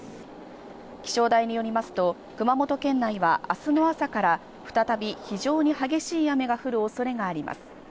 気象台によりますと、熊本県内はあすの朝から再び非常に激しい雨が降る恐れがあります。